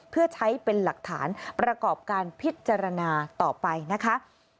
เพื่อใช้เป็นหลักฐานประกอบการพิจารณาต่อไปนะคะ